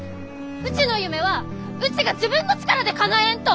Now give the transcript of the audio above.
うちの夢はうちが自分の力でかなえんと！